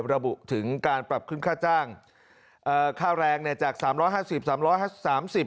ระบุถึงการปรับขึ้นค่าจ้างเอ่อค่าแรงเนี่ยจากสามร้อยห้าสิบสามร้อยสามสิบ